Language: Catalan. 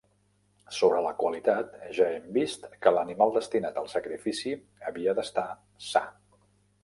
Sobre la qualitat, ja hem vist que l'animal destinat al sacrifici havia d'estar sa.